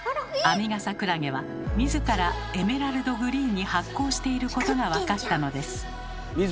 ⁉アミガサクラゲは自らエメラルドグリーンに発光していることが分かったのです。